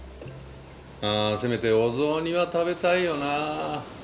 あせめてお雑煮は食べたいよなあ。